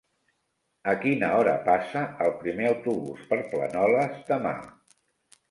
A quina hora passa el primer autobús per Planoles demà?